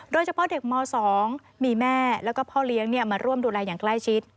โดยเฉพาะเด็กม๒มีแม่แล้วก็พ่อเลี้ยงมาร่วมดูแลอย่างใกล้ชิด